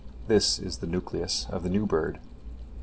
This is the nucleus of the new bird.